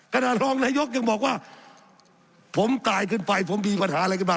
รองนายกยังบอกว่าผมตายขึ้นไปผมมีปัญหาอะไรขึ้นมา